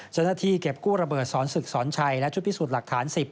เจ้าหน้าที่เก็บกู้ระเบิดสอนศึกสอนชัยและชุดพิสูจน์หลักฐาน๑๐